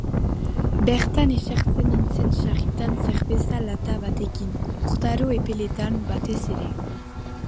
Bertan esertzen nintzen sarritan zerbeza lata batekin, urtaro epeletan batez ere.